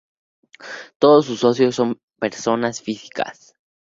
Todos sus socios son personas físicas.